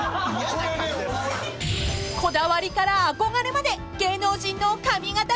［こだわりから憧れまで芸能人の髪形の話］